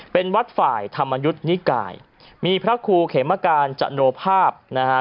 เป็นวัดฝ่ายธรรมยุทธ์นิกายมีพระครูเขมการจโนภาพนะฮะ